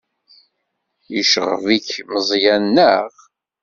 Yecɣeb-ik Meẓyan, naɣ?